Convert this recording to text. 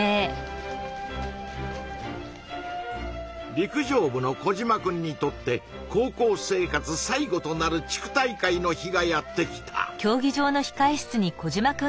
陸上部のコジマくんにとって高校生活最後となる地区大会の日がやって来た。